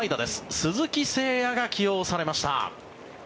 鈴木誠也が起用されました。